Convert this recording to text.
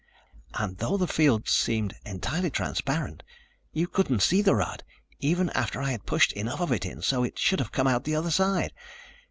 And though the field seemed entirely transparent, you couldn't see the rod, even after I had pushed enough of it in so it should have come out the other side.